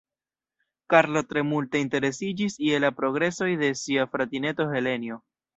Karlo tre multe interesiĝis je la progresoj de sia fratineto Helenjo.